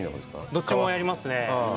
どっちもやりますね。